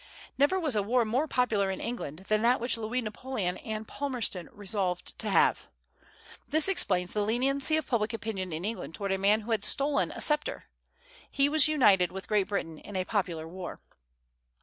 Never was a war more popular in England than that which Louis Napoleon and Palmerston resolved to have. This explains the leniency of public opinion in England toward a man who had stolen a sceptre. He was united with Great Britain in a popular war.